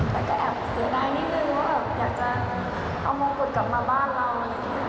แต่ก็แอบเสียดายนิดนึงว่าอยากจะเอามองกุฎกลับมาบ้านเรา